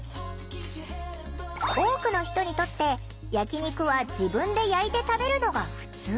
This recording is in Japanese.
多くの人にとって焼き肉は自分で焼いて食べるのがふつう。